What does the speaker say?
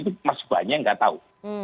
itu masih banyak yang nggak tahu